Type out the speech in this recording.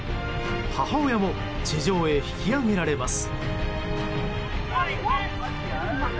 母親も地上へ引き上げられます。